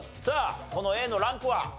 さあこのＡのランクは？